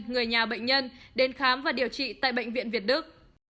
người nhà bệnh nhân đến khám và điều trị tại bệnh viện việt đức